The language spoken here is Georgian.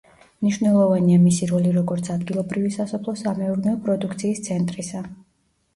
მნიშვნელოვანია მისი როლი როგორც ადგილობრივი სასოფლო-სამეურნეო პროდუქციის ცენტრისა.